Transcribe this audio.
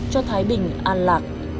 cho thái bình an lạc